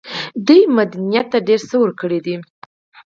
دوی مدنيت ته ډېر څه ورکړي دي.